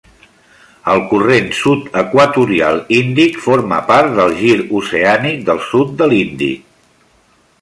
El Corrent Sud Equatorial Índic forma part del Gir Oceànic del sud de l'Índic.